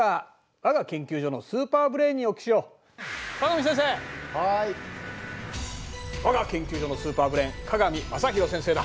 我が研究所のスーパーブレーン加賀美雅弘先生だ。